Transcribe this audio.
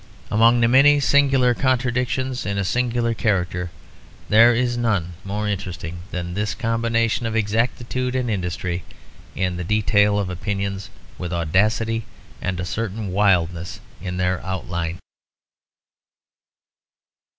Among the many singular contradictions in a singular character, there is none more interesting than this combination of exactitude and industry in the detail of opinions with audacity and a certain wildness in their outline.